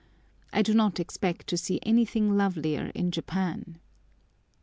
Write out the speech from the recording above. I do not expect to see anything lovelier in Japan.